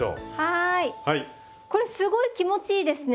これすごい気持ちいいですね。